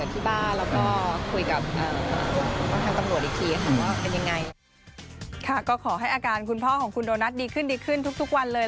ตำรวจอาจจะติดวันหยุด